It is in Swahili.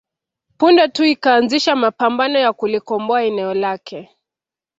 Punde tu ikaanzisha mapambano ya kulikomboa eneo lake